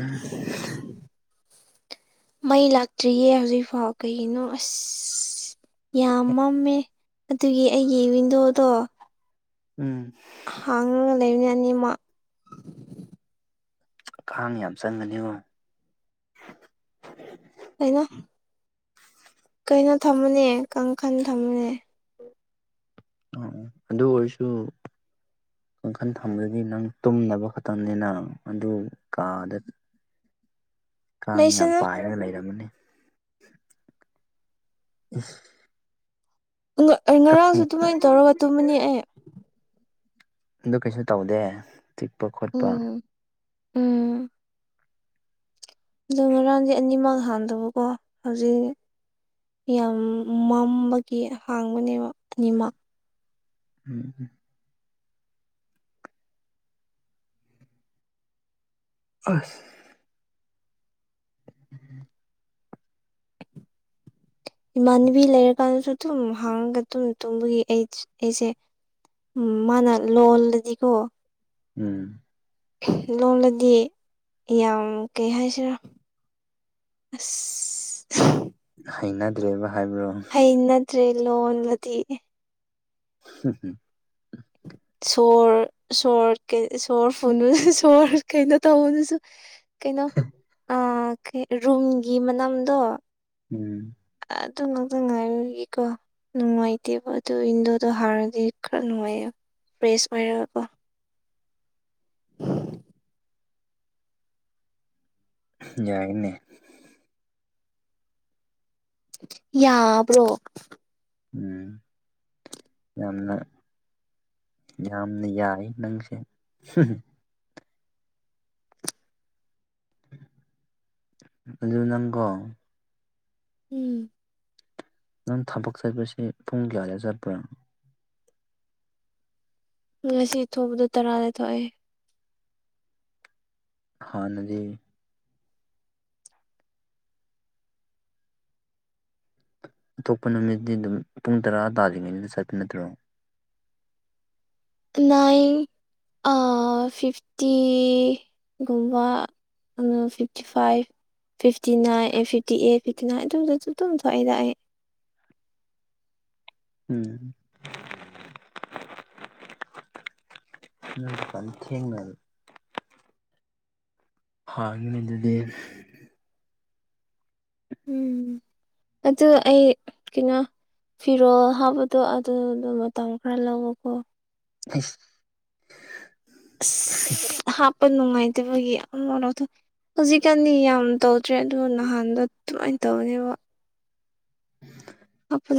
[unintelligible] ꯃꯩ ꯂꯥꯛꯇ꯭ꯔꯤꯌꯦ ꯍꯧꯖꯤꯛꯐꯥꯎ ꯀꯩꯒꯤꯅꯣ ꯑꯁ ꯌꯥꯝ ꯃꯝꯃꯦ ꯑꯗꯨꯒꯤ ꯑꯩꯒꯤ ꯋꯤꯟꯗꯣꯗꯣ ꯎꯝ ꯍꯥꯡꯉꯒ ꯂꯩꯃꯦ ꯑꯅꯤꯃꯛ ꯀꯥꯡ ꯌꯥꯝ ꯆꯪꯒꯅꯤꯉꯣ ꯀꯩꯅꯣ ꯀꯩꯅꯣ ꯊꯝꯃꯅꯦ ꯀꯥꯟꯈꯜ ꯊꯝꯃꯅꯦ ꯑꯗꯨ ꯑꯣꯏꯔꯁꯨ ꯀꯥꯡꯈꯥꯜ ꯊꯥꯝꯂꯗꯤ ꯅꯪ ꯇꯨꯝꯅꯕ ꯈꯛꯇꯪꯅꯤꯅ ꯑꯗꯨ ꯀꯥꯗ ꯀꯥꯡ ꯌꯥꯝ ꯂꯩꯁꯅꯨ ꯄꯥꯏꯔꯒ ꯂꯩꯔꯝꯃꯅꯤ ꯢꯁ ꯉꯔꯥꯡꯁꯨ ꯑꯗꯨꯃꯥꯏꯅ ꯇꯧꯔꯒ ꯇꯨꯝꯃꯅꯤ ꯑꯩ ꯑꯗꯨ ꯀꯩꯁꯨ ꯇꯧꯗꯦ ꯆꯤꯛꯄ ꯈꯣꯠꯄ ꯎꯝ ꯎꯝ ꯑꯗꯣ ꯉꯔꯥꯡꯁꯦ ꯑꯅꯤꯃꯛ ꯍꯥꯟꯗꯕꯀꯣ ꯍꯧꯖꯤꯛ ꯌꯥꯝ ꯃꯝꯕꯒꯤ ꯍꯥꯡꯕꯅꯦꯕ ꯑꯅꯤꯃꯛ ꯎꯝ ꯑꯁ ꯎꯝ [inaudible] ꯏꯃꯥꯟꯅꯕꯤ ꯂꯩꯔꯀꯥꯟꯗꯁꯨ ꯑꯗꯨꯝ ꯍꯥꯡꯉꯒ ꯑꯗꯨꯝ ꯇꯨꯝꯕꯒꯤ ꯑꯩ ꯑꯩꯁꯦ ꯎꯝ ꯃꯥꯅ ꯂꯣꯜꯕꯗꯤꯀꯣ ꯎꯝ ꯂꯣꯂꯗꯤ ꯌꯥꯝ ꯀꯩ ꯍꯥꯏꯁꯤꯔꯥ ꯑ ꯍꯩꯅꯗ꯭ꯔꯦꯕ ꯍꯥꯏꯕꯔꯣ ꯍꯩꯅꯗ꯭ꯔꯦ ꯂꯣꯜꯂꯗꯤ ꯁ ꯐꯦ ꯁꯣꯔ ꯁꯣꯔ ꯀꯩ ꯁꯣꯔ ꯐꯨ ꯁꯣꯔ ꯀꯩꯅꯣ ꯇꯧꯕꯅꯁꯨ ꯀꯩꯅꯣ ꯔꯨꯝꯨꯝꯒꯤ ꯃꯅꯥꯝꯗꯣ ꯎꯝ ꯑꯗꯨ ꯅꯖ ꯉꯥꯏꯒꯤꯀꯣ ꯅꯨꯡꯉꯥꯏꯇꯦꯕ ꯑꯗꯨ ꯏꯋꯟꯗꯣꯗꯣ ꯍꯥꯟꯔꯅꯗꯤ ꯈꯔ ꯅꯨꯡꯉꯥꯏꯌꯦꯕ ꯐ꯭ꯔꯦꯁ ꯑꯣꯏꯔꯦꯕꯀꯣ ꯌꯥꯏꯅꯦ ꯌꯥꯕ꯭ꯔꯣ ꯎꯝ ꯌꯥꯝ ꯌꯥꯝꯅ ꯌꯥꯏ ꯅꯪꯁꯦ ꯑꯗꯣ ꯅꯪꯀꯣ ꯎꯝ ꯅꯪ ꯊꯕꯛ ꯆꯠꯄꯁꯦ ꯄꯨꯡ ꯀꯌꯥꯗ ꯆꯠꯄꯔꯥ ꯉꯁꯤ ꯊꯣꯡꯕꯗꯣ ꯇꯔꯥꯗ ꯊꯣꯛꯣꯛꯑꯦ ꯍꯥꯟꯅꯗꯤ ꯑꯇꯣꯞꯄ ꯅꯨꯃꯤꯠꯇ ꯑꯗꯨꯝ ꯄꯨꯡ ꯇꯔꯥ ꯇꯥ꯭ꯔꯤꯉꯩꯗ ꯆꯠꯄ ꯅꯠꯇ꯭ꯔꯣ ꯅꯥꯏꯟ ꯐꯤꯐꯇꯤꯒꯨꯝꯕ ꯐꯤꯐꯇꯤ ꯐꯥꯏꯚ ꯐꯤꯐꯇꯤ ꯅꯥꯏꯟ ꯑꯦ ꯐꯤꯞꯇꯤ ꯑꯦ ꯐꯤꯞꯇꯤ ꯅꯥꯏꯟ ꯑꯗꯨꯗꯁꯨ ꯑꯗꯨꯝ ꯊꯣꯛꯑꯏꯗ ꯑꯩ ꯎꯝ [unintelligible] ꯎ ꯊꯦꯡꯅ ꯍꯥꯎꯅꯤ ꯑꯗꯨꯗꯤ ꯎꯝ ꯑꯗꯨ ꯑꯩ ꯀꯩꯅꯣ ꯐꯤꯔꯣꯜ ꯍꯥꯞꯄꯗꯣ ꯑꯗꯨꯗꯣ ꯃꯇꯝ ꯈꯔ ꯂꯧꯋꯀꯣ ꯑ ꯑ ꯍꯥꯞꯄ ꯅꯨꯡꯉꯥꯏꯇꯕꯒꯤꯅꯣꯗ ꯍꯧꯖꯤꯛꯀꯥꯟꯗꯤ ꯌꯥꯝ ꯇꯧꯗ꯭ꯔꯦ ꯑꯗꯨ ꯅꯍꯥꯟꯗ ꯑꯗꯨꯃꯥꯏꯅ ꯇꯧꯕꯅꯦꯕꯣ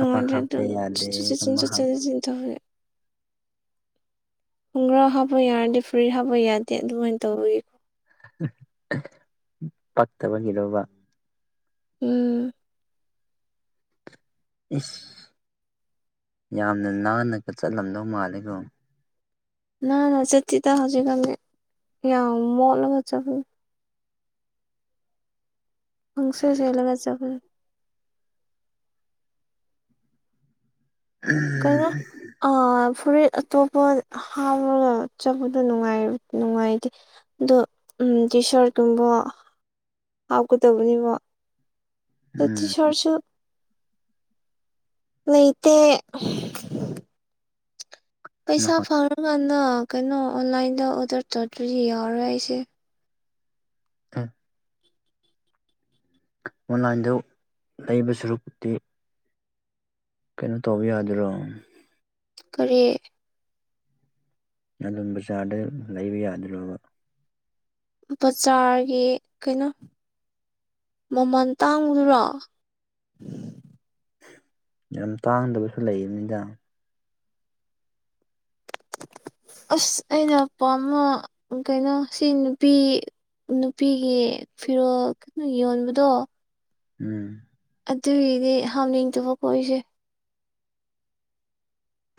ꯑꯃ ꯑꯉ ꯍꯥꯞꯄ ꯑꯗꯨ ꯆ ꯆ ꯌꯥꯗꯦ ꯑꯃ ꯍꯥꯞ ꯆꯊ ꯈꯨꯡꯒ꯭ꯔꯥ ꯍꯥꯞꯄ ꯌꯥꯔꯗꯤ ꯐꯨꯔꯤꯠ ꯍꯥꯞꯄ ꯌꯥꯗꯦ ꯑꯗꯨꯃꯥꯏꯅ ꯇꯧꯕꯒꯤ [unintelligible] ꯄꯛꯇꯕꯒꯤꯗꯧꯕ ꯎꯝ ꯏꯁ ꯌꯥꯝꯅ ꯅꯥꯟꯅꯒ ꯆꯠꯂꯝꯗꯧ ꯃꯥꯜꯂꯦꯒꯣ ꯅ ꯆꯦꯇꯤꯗ ꯍꯧꯖꯤꯛꯒꯅꯤ ꯌꯥ ꯃꯣꯂꯒ ꯆ ꯐ ꯍꯪꯁꯔ ꯆꯂꯒꯖꯕ ꯀꯩꯅꯣ ꯑ ꯐꯨꯔꯤꯠ ꯑꯇꯣꯞꯄ ꯍꯥꯎꯔꯒ ꯎ ꯆꯠꯕꯗꯣ ꯅꯨꯡꯉꯥꯏ ꯅꯨꯡꯉꯥꯏꯇꯦ ꯑꯗꯣ ꯎ ꯇꯤ ꯁꯥꯔꯠꯀꯨꯝꯕ ꯍꯥꯞꯀꯗꯕꯅꯦꯕ [unintelligible] ꯇꯤ ꯎꯝ ꯁꯔꯠꯁꯨ ꯂꯩꯩꯇꯦ [unintelligible] ꯄꯩꯁꯥ ꯅꯍꯥꯟ ꯐꯪꯔꯀꯥꯟꯗ ꯀꯩꯅꯣ ꯑꯣꯟꯂꯥꯏꯟꯗ ꯑꯣꯗꯔ ꯇꯧꯗ꯭ꯔꯗꯤ ꯌꯥꯎꯔꯦ ꯑꯩꯁꯦ ꯑ [unintelligible] [inaudible] ꯑꯣꯟꯂꯥꯏꯟꯗ ꯂꯩꯕ ꯁꯔꯨꯄꯛꯇꯤ ꯀꯩꯅꯣ ꯇꯧꯕ ꯌꯥꯗꯣꯏꯔꯣ ꯀꯔꯤ ꯑꯗꯨꯝ ꯕꯖꯥꯔꯗ ꯂꯩꯕ ꯌꯥꯗꯣꯏ꯭ꯔꯕ ꯕꯖꯥꯔꯒꯤ ꯀꯩꯅꯣ ꯃꯃꯜ ꯇꯥꯡꯕꯗꯨꯔꯣ ꯌꯥꯝ ꯇꯥꯡꯗꯕꯁꯨ ꯂꯩꯕꯅꯤꯗ ꯑꯁ ꯑꯩꯅ ꯄꯥꯝꯕ ꯀꯩꯅꯣ ꯁꯤ ꯅꯨꯄꯤ ꯅꯨꯄꯤꯒꯤ ꯐꯤꯔꯣꯜ ꯀꯩꯅꯣ ꯌꯣꯟꯕꯗꯣ ꯎꯝ ꯑꯗꯨꯒꯤꯗꯤ ꯍꯥꯝꯅꯤꯡꯗꯕꯀꯣ ꯑꯩꯁꯦ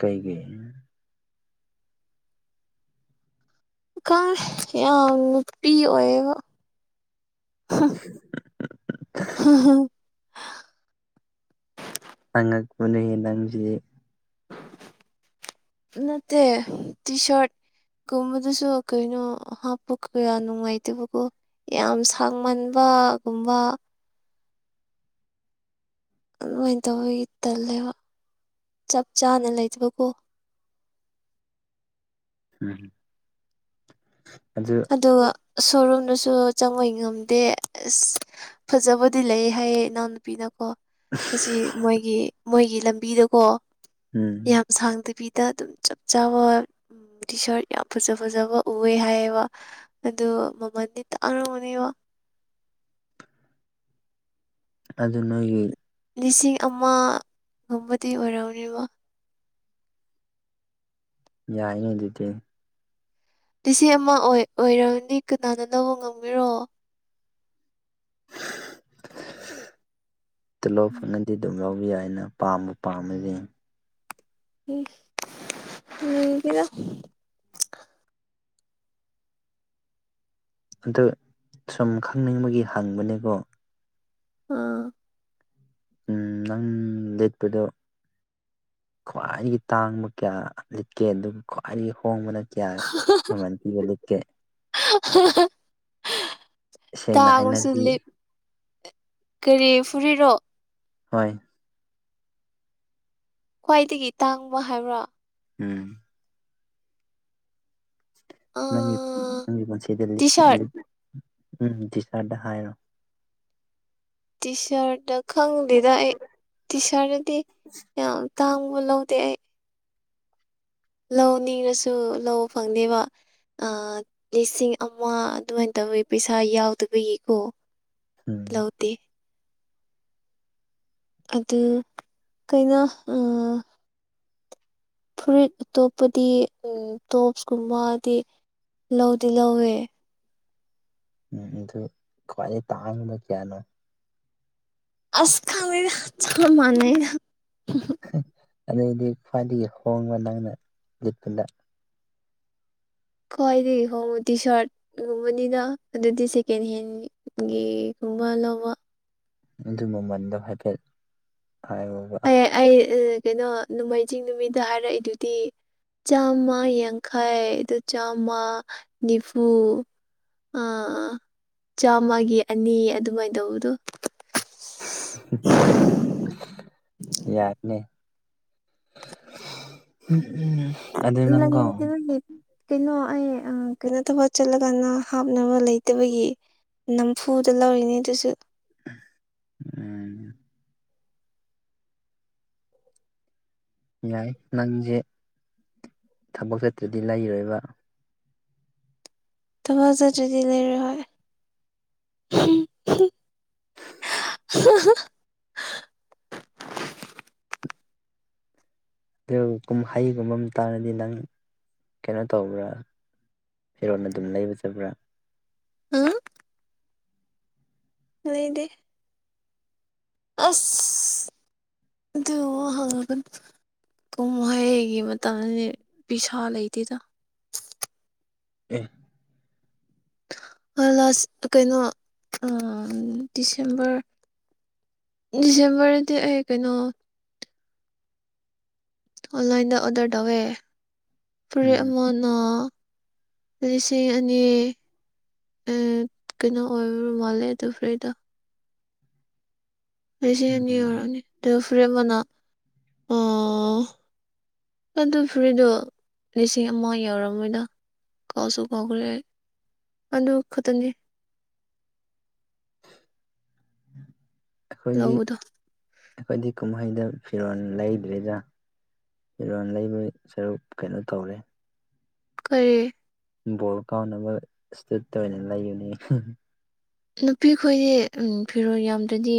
ꯀꯩꯒꯤ ꯈꯪꯗꯦ ꯌꯥꯝ ꯅꯨꯄꯤ ꯑꯣꯏꯌꯦꯕ ꯍꯝ [unintelligible] ꯑꯉꯛ ꯄꯅꯤꯍꯦ ꯅꯪꯁꯤ [inaudible] ꯅꯠꯇꯦ ꯇꯤ ꯁꯔꯠ ꯀꯨꯝꯕꯗꯨꯁꯨ ꯀꯩꯅꯣ ꯍꯥꯞꯄ ꯀꯌꯥ ꯅꯨꯡꯉꯥꯏꯇꯕꯀꯣ ꯌꯥꯝ ꯁꯥꯡꯃꯟꯕ ꯒꯨꯝꯕ ꯑꯗꯨꯃꯥꯏꯅ ꯇꯧꯕꯒꯤ ꯇꯜꯂꯦꯕ ꯆꯞ ꯆꯥꯅ ꯂꯩꯇꯕꯀꯣ ꯎꯝ ꯑꯗꯨ ꯑꯗꯨꯒ ꯁꯣꯔꯨꯝꯗꯨꯁꯨ ꯆꯪꯕꯩ ꯉꯝꯗꯦ ꯑꯁ ꯐꯖꯕꯗꯤ ꯂꯩꯌꯦ ꯍꯥꯏꯌꯦ ꯏꯅꯥꯎꯅꯨꯄꯤꯅꯀꯣ ꯑꯁꯤ ꯃꯣꯏꯒꯤ ꯃꯣꯏꯒꯤ ꯂꯝꯕꯤꯗꯀꯣ ꯎꯝ ꯌꯥꯝ ꯁꯥꯡꯗꯕꯤꯗ ꯑꯗꯨꯝ ꯆꯞ ꯆꯥꯕ ꯇꯤ ꯁꯔꯠ ꯌꯥꯝ ꯐꯖ ꯐꯖꯕ ꯎꯑꯦ ꯍꯥꯏꯌꯦꯕ ꯑꯗꯨ ꯃꯃꯜꯗꯤ ꯇꯥꯡꯔꯝꯒꯅꯤꯕꫭ ꯑꯗꯨ ꯅꯣꯏꯒꯤ ꯂꯤꯁꯤꯡ ꯑꯃꯒꯨꯝꯕꯗꯤ ꯑꯣꯏꯔꯝꯅꯦꯕ ꯌꯥꯏꯅꯦ ꯑꯗꯨꯗꯤ ꯂꯤꯁꯤꯡ ꯑꯃ ꯑꯣꯏ ꯑꯣꯏꯔꯝꯅꯤ ꯀꯅꯥꯅꯅꫭ ꯉꯝꯕꯤꯔꯣ ꯇꯨꯂꫭꯞ ꯐꯪꯉꯗꯤ ꯑꯗꯨꯝ ꯂꯧꯕ ꯌꯥꯏꯅ ꯄꯥꯝꯕꯨ ꯄꯥꯝꯃꯗꯤ ꯎꯝ ꯌꯦꯡꯗꯦꯗ ꯑꯗꯨ ꯁꯨꯝ ꯈꯪꯅꯤꯡꯕꯒꯤ ꯍꯪꯕꯅꯤꯀꯣ ꯎꯝ ꯎꯝ ꯅꯪ ꯂꯤꯠꯄꯗꯨ ꯈ꯭ꯋꯥꯏꯗꯒꯤ ꯇꯥꯡꯕ ꯀꯌꯥ ꯂꯤꯠꯀꯦ ꯑꯗꯨꯒ ꯈ꯭ꯋꯥꯏꯗꯒꯤ ꯍꯣꯡꯕꯅ ꯀꯌꯥ ꯃꯃꯟꯄꯤꯔ ꯂꯤꯠꯀꯦ ꯁꯦꯡꯅ ꯇꯥꯒꯨꯝꯁꯨ ꯍꯥꯏꯅꯕꯤ ꯂꯤꯞ ꯀꯔꯤ ꯐꯨꯔꯤꯠꯔꫭ ꯍꯣꯏ ꯈ꯭ꯋꯥꯏꯗꯒꯤ ꯇꯥꯡꯕ ꯍꯥꯏꯕ꯭ꯔꯣ ꯎꯝ ꯅꯪꯒꯤ ꯅꯪꯒꯤ ꯄꯨꯟꯁꯤꯗ ꯇꯤ ꯂꯤꯠꯈꯤ ꯁꯥꯔꯠ ꯂꯤꯠ ꯎꯝ ꯇꯤꯁꯔꯠꯇ ꯍꯥꯏꯔꯣ ꯇꯤ ꯁꯔꯠꯇ ꯈꯪꯗꯦꯗ ꯑꯩ ꯇꯤ ꯁꯔꯠꯇꯗꯤ ꯌꯥꯝ ꯇꯥꯡꯕ ꯂꯧꯗꯦ ꯑꯩ ꯂꯧ ꯅꯤꯡꯔꯁꯨ ꯂꯧ ꯐꯪꯗꯦꯕ ꯑꯥ ꯂꯤꯁꯤꯡ ꯑꯃ ꯑꯗꯨꯃꯥꯏ ꯇꯧꯋꯤ ꯄꯩꯁꯥ ꯌꯥꯎꯗꯕꯒꯤꯀꯣ ꯎꯝ ꯂꯧꯗꯦ ꯑꯗꯨ ꯀꯩꯅꯣ ꯎꯝ ꯐꯨꯔꯤꯠ ꯑꯇꯣꯞꯄꯗꯤ ꯎꯝ ꯇꯣꯞꯁꯀꯨꯝꯕꯗꯤ ꯂꯧꯗꯤ ꯂꯧꯋꯦ ꯎꯝ ꯑꯗꯨ ꯈꯋꯥꯏꯗꯩ ꯇꯥꯡꯕ ꯀꯌꯥꯅꯣ ꯑꯁ ꯈꯪꯗꯦꯗ ꯆꯞ ꯃꯥꯟꯅꯩꯗ ꯑꯗꯩꯗꯤ ꯈ꯭ꯋꯥꯏꯗꯒꯤ ꯍꯣꯡꯕ ꯅꯪꯅ ꯂꯤꯠꯄꯗ ꯈꯋꯥꯏꯗꯒꯤ ꯍꯣꯡꯕꯗꯤ ꯇꯤ ꯁꯔꯠꯒꯨꯝꯕꯅꯤꯅ ꯑꯗꯨꯗꯤ ꯁꯦꯀꯦꯟ ꯍꯦꯟꯒꯤ ꯒꯤ ꯒꯨꯝ ꯂꯧꯕ ꯑꯗꯨ ꯃꯃꯟꯗꯣ ꯍꯥꯏꯐꯦꯠ ꯍꯥꯏꯌꯣꯕ ꯑꯩ ꯑꯩ ꯑ ꯀꯩꯅꯣ ꯅꯣꯡꯃꯥꯏꯖꯤꯡ ꯅꯨꯃꯤꯠꯗ ꯍꯥꯏꯔꯛꯏꯗꯨꯗꯤ ꯆꯥꯝꯃ ꯌꯥꯡꯈꯩ ꯑꯗꯨ ꯆꯥꯝꯃ ꯅꯤꯐꯨ ꯑ ꯑ ꯆꯥꯝꯃꯒꯤ ꯑꯅꯤ ꯑꯗꯨꯃꯥꯏꯅ ꯇꯧꯕꯗꯣ ꯌꯥꯏꯅꯦ [inaudible] ꯂꯪ ꯅꯪꯀꯣ ꯄꯤꯔꯝꯃꯦ ꯀꯩꯅꯣ ꯑꯩ ꯑ ꯀꯩꯅꯣ ꯇꯧꯕ ꯆꯠꯂꯒꯅ ꯍꯥꯞꯅꯕ ꯂꯩꯇꯕꯒꯤ ꯅꯝꯐꯨꯗ ꯂꯧꯔꯤꯅꯦ ꯑꯗꯨꯁꯨ ꯎꯝ ꯌꯥꯏ ꯅꯪꯁꯦ ꯊꯕꯛ ꯆꯠꯇ꯭ꯔꯗꯤ ꯂꯩꯔꯣꯏꯕ ꯊꯕꯛ ꯆꯠꯇ꯭ꯔꯗꯤ ꯂꯩꯔꯣꯏ [inaudible] ꯀꯩꯒꯨꯝ ꯀꯨꯝꯍꯩ ꯍꯨꯝꯕ ꯑꯃ ꯇꯥꯔꯗꯤ ꯅꯪ ꯀꯩꯅꯣ ꯇꯧꯕ꯭ꯔꯥ ꯐꯤꯔꯣꯟ ꯑꯗꯨꯝ ꯂꯩꯕ ꯆꯠꯄ꯭ꯔꯥ ꯍꯝ ꯂꯩꯗꯦ ꯑꯁ ꯑꯗꯨꯝꯕ ꯍꯪꯉꯛ ꯀꯅꯨ ꯀꯨꯝꯍꯩꯒꯤ ꯃꯇꯝꯗꯤ ꯄꯤꯁꯥ ꯂꯩꯇꯦꯗ ꯑꯦ ꯑ ꯂꯥꯁ ꯀꯩꯅꯣ ꯑ ꯗꯤꯁꯦꯝꯕꯔ ꯗꯤꯁꯦꯝꯕꯔꯗꯗꯤ ꯑꯩ ꯀꯩꯅꯣ ꯑꯣꯟꯂꯥꯏꯟꯗ ꯑꯣꯗꯔ ꯇꯧꯋꯦ ꯐꯨꯔꯤꯠ ꯎꯝ ꯑꯃꯅ ꯂꯤꯁꯤꯡ ꯑꯅꯤ ꯑ ꯀꯩꯅꯣ ꯑꯣꯏꯔ ꯃꯥꯜꯂꯦ ꯑꯗꯨ ꯐꯨꯔꯤꯠꯇꯣ ꯂꯤꯁꯤꯡ ꯑꯅꯤ ꯎꯝ ꯑꯣꯢꯔꯝꯅꯤ ꯑꯗꯨꯒ ꯐꯨꯔꯤꯠ ꯑꯃꯅ ꯑ ꯑꯗꯨ ꯐꯨꯔꯤꯠꯗꯣ ꯂꯤꯁꯤꯡ ꯑꯃ ꯌꯧꯔꯝꯃꯣꯏꯗ ꯀꯥꯎꯁꯨ ꯀꯥꯎꯈ꯭ꯔꯦ ꯑꯗꯨ ꯈꯇꯅꯤ ꯑꯩꯈꯣꯏꯗꯤ ꯂꯧꯕꯗꯣ ꯑꯩꯈꯣꯏꯗꯤ ꯀꯨꯝꯍꯩꯗ ꯐꯤꯔꯣꯜ ꯂꯩꯗ꯭ꯔꯤꯗꯥ ꯐꯤꯔꯣꯟ ꯂꯩꯕꯩ ꯁꯔꯨꯛ ꯀꯩꯅꯣ ꯇꯧꯔꯦ ꯀꯔꯤ ꯕꯣꯜ ꯀꯥꯎꯅꯕ ꯁ꯭ꯇꯨꯠꯇꯣ ꯑꯣꯏꯅ ꯂꯩꯌꯨꯅꯦ ꯅꯨꯄꯤ ꯈꯣꯏꯗꯤ ꯐꯤꯔꯣꯜ ꯌꯥꯝꯗ꯭ꯔꯗꯤ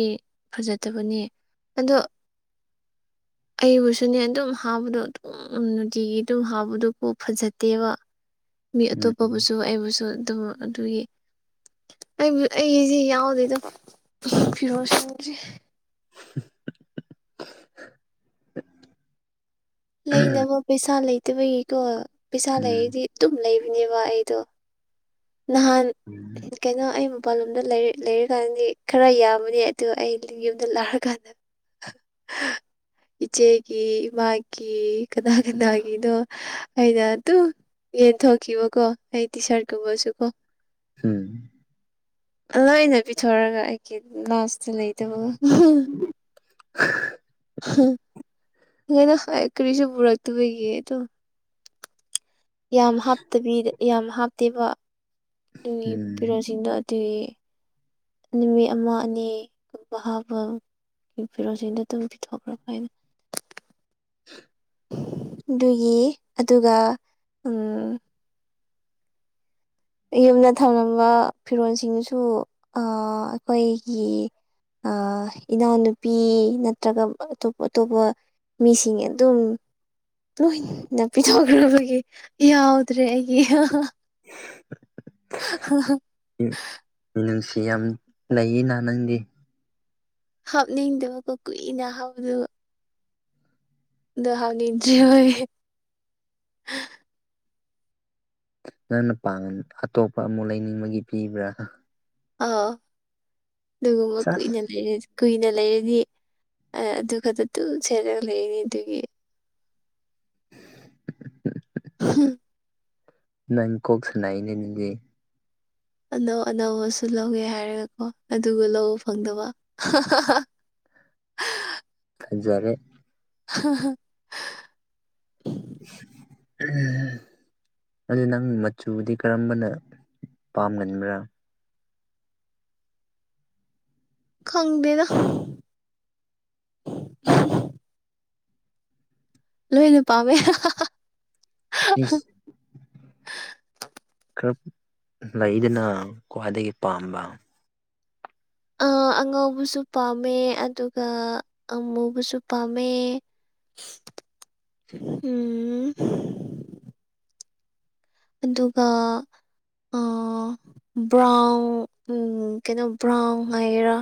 ꯐꯖꯗꯕꯅꯤ ꯑꯗꯣ ꯑꯩꯕꯨꯁꯨꯅꯦ ꯑꯗꯨꯝ ꯍꯥꯕꯗꯣ ꯑꯗꯨ ꯎꯝ ꯅꯨꯡꯇꯤꯒꯤꯗꯨꯝ ꯍꯥꯎꯕꯗꯨꯕꯨ ꯐꯖꯇꯦꯕ ꯃꯤ ꯎꯝ ꯑꯇꯣꯞꯄꯕꯨꯁꯨ ꯑꯩꯕꯨꯁꯨ ꯑꯗꯨꯝ ꯑꯗꯨꯒꯤ ꯑꯩꯕꯨ ꯑꯩꯒꯤꯁꯤ ꯌꯥꯎꯗꯦꯗ ꯐꯤꯔꯣꯜ ꯁꯨꯗ꯭ꯔꯦ [inaudible] ꯂꯩꯅꯕ ꯄꯩꯁꯥ ꯂꯩꯇꯕꯒꯤꯀꯣ ꯄꯩꯁꯥ ꯎꯝ ꯂꯩꯔꯗꯤ ꯑꯗꯨꯝ ꯂꯩꯕꯅꯦꯕ ꯑꯩꯗꯣ ꯅꯍꯥꯟ ꯎꯝ ꯀꯩꯅꯣ ꯑꯩ ꯃꯄꯥꯟ ꯂꯣꯝꯗ ꯂꯩꯔꯤ ꯂꯩꯔꯤ ꯀꯥꯟꯗꯗꯤ ꯈꯔ ꯌꯥꯝꯕꯅꯤ ꯑꯗꯨ ꯑꯩ ꯌꯨꯝꯗ ꯂꯥꯔꯀꯥꯟꯗ [inaudible] ꯏꯆꯦꯒꯤ ꯏꯃꯥꯒꯤ ꯀꯅꯥ ꯀꯅꯥꯒꯤꯅꯣ ꯑꯩꯅ ꯑꯗꯨ ꯌꯦꯟꯊꯣꯛꯈꯤꯕꯀꯣ ꯑꯩ ꯇꯤ ꯁꯥꯔꯠ ꯀꯨꯝꯕꯁꯨ ꯀꯣ ꯍꯝ ꯂꯣꯏꯅ ꯄꯤꯊꯣꯔꯒ ꯑꯩꯒꯤ ꯂꯥꯁꯇ ꯂꯩꯇꯕꯒ [inaudible] ꯅ ꯀꯔꯤꯁꯨ ꯄꯨꯔꯛꯇꯕꯒꯤ ꯑꯗꯣ ꯌꯥꯝ ꯍꯥꯞꯇꯕꯤꯗ ꯌꯥꯝ ꯍꯥꯞꯇꯦꯕ ꯑꯗꯨꯒꯤ ꯐꯦꯔꯣꯜꯁꯤꯡꯗꯣ ꯑꯗꯨꯒꯤ ꯅꯨꯃꯤꯠ ꯑꯃ ꯑꯅꯤꯒꯨꯝꯕ ꯍꯥꯥꯕꯒꯤ ꯐꯤꯔꯣꯜꯁꯤꯡꯗꯣ ꯑꯗꯨꯝ ꯄꯤꯊꯣꯛꯈ꯭ꯔ ꯍꯥꯏꯅ ꯍ ꯑꯗꯨꯒꯤ ꯑꯗꯨꯒ ꯎ ꯌꯨꯝꯗ ꯊꯝꯂꯝꯕ ꯐꯤꯔꯣꯜꯁꯤꯡꯁꯨ ꯑꯩꯈꯣꯏꯒꯤ ꯑ ꯏꯅꯥꯎꯅꯨꯄꯤ ꯅꯠꯇ꯭ꯔꯒ ꯑꯇꯣꯞ ꯑꯇꯣꯞꯄ ꯃꯤꯁꯤꯡ ꯑꯦ ꯑꯗꯨꯝ ꯂꯣꯏꯅ ꯄꯤꯊꯣꯛꯈ꯭ꯔꯕꯒꯤ ꯌꯥꯎꯗ꯭ꯔꯦ ꯑꯩꯒꯤ ꯎꯝ [unintelligible] [inaudible] ꯅꯅꯨꯡꯁꯤ ꯌꯥꯝ ꯂꯩꯌꯦ ꯂꯅꯥꯪꯗꯤꯦ ꯍꯥꯞꯅꯤꯡꯗꯕꯀꯣ ꯀꯨꯏꯅ ꯍꯥꯎꯗꯕ ꯗꯍꯥꯎ ꯂꯤꯗ꯭ꯔꯤ ꯑꯣꯏ ꯅꯪꯅ ꯄꯥꯡ ꯑꯇꯣꯞꯄ ꯑꯃꯨꯛ ꯂꯩꯅꯤꯡꯕꯒꯤ ꯄꯤꯕ꯭ꯔꯥ ꯑꯧ ꯑꯗꯨꯒꯨꯝꯕ ꯆꯁ ꯀꯨꯏꯅ ꯂꯩꯔꯦꯗ [unintelligible] ꯀꯨꯏꯅ ꯂꯩꯔꯅꯤ ꯑꯗꯨ ꯈꯛꯇ ꯇꯨ ꯁꯦꯠꯂꯒ ꯂꯩꯔꯅꯤ ꯑꯗꯨꯒꯤ ꯎꯝ ꯅꯪ ꯀꯣꯒꯁꯅꯅꯦ ꯅꯗꯤ ꯑꯅꯧ ꯑꯅꯧꯕꯁꯨ ꯂꯧꯋꯦ ꯍꯥꯏꯔꯒꯀꯣ ꯑꯗꯨꯒ ꯂꯧꯕ ꯐꯪꯗꯕ [unintelligible] ꯍꯖꯔꯦ ꯍ ꯍ [unintelligible] ꯀ ꯑꯗꯨꯗ ꯅꯪ ꯃꯆꯨꯗꯤ ꯀꯔꯝꯕꯅ ꯄꯥꯝꯒꯟꯕ꯭ꯔꯥ ꯈꯪꯗꯅ ꯂꯣꯏꯅ ꯄꯥꯝꯃꯦꯔ ꯏꯁ [unintelligible] ꯈꯔ ꯂꯩꯗꯅ ꯈ꯭ꯋꯥꯏꯗꯒꯤ ꯄꯥꯝꯕ ꯑ ꯑꯉꯧꯕꯁꯨ ꯄꯥꯝꯃꯦ ꯑꯗꯨꯒ ꯑꯃꯨꯕꯁꯨ ꯄꯥꯝꯃꯦ [inaudible] ꯎꯝ ꯑꯗꯨꯒ ꯕ꯭ꯔꯥꯎꯟ ꯀꯩꯅꯣ ꯕ꯭ꯔꯥꯎꯟ ꯍꯥꯏꯔꯥ